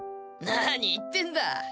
なに言ってんだ！